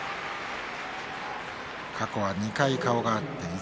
過去は２回顔が合っています。